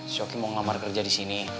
si shoki mau ngelamar kerja di sini